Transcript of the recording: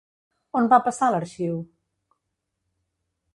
On va passar l'arxiu?